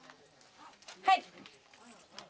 はい。